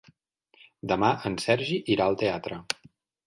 Demà en Sergi irà al teatre.